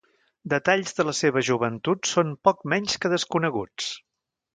Detalls de la seva joventut són poc menys que desconeguts.